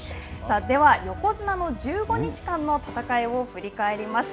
では、横綱の１５日間の戦いを振り返ります。